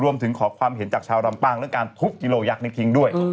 รวมถึงขอความเห็นจากชาวลำปางเรื่องการทุบกิโลยักษ์นี้ทิ้งด้วย